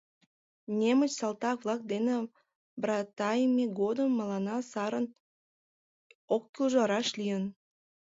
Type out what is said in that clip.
Немыч салтак-влак дене братайме годым мыланна сарын оккӱлжӧ раш лийын.